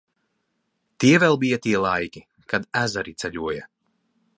Tie vēl bija tie laiki, kad ezeri ceļoja.